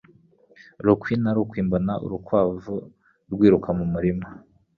Bukwi na bukwi, mbona urukwavu rwiruka mu murima.